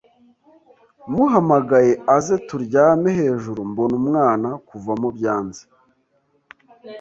muhamagaye aze turyame hejuru mbona umwana kuvamo byanzee